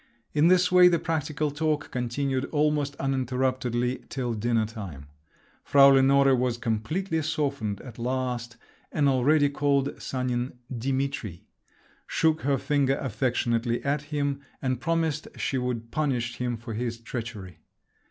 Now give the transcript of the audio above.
In this way the practical talk continued almost uninterruptedly till dinner time. Frau Lenore was completely softened at last, and already called Sanin "Dimitri," shook her finger affectionately at him, and promised she would punish him for his treachery.